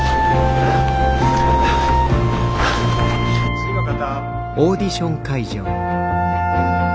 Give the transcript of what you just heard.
・次の方。